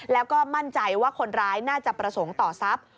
แล้วก็มั่นใจว่าคนร้ายน่าจะประสงค์ต่อทรัพย์